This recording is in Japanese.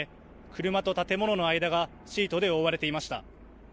車と建物の間がシートで覆われていました。